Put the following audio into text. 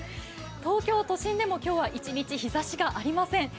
東京都都心は今日一日日ざしがありません。